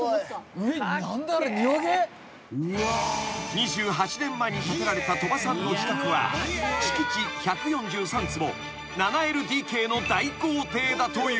［２８年前に建てられた鳥羽さんの自宅は敷地１４３坪７ＬＤＫの大豪邸だという］